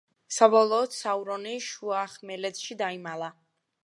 საბოლოოდ, საურონი შუახმელეთში დაიმალა.